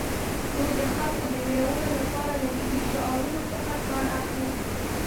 دوی د خلکو د ویرولو لپاره له ملي شعارونو څخه کار اخلي